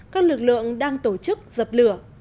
các lực lượng đang tổ chức dập lửa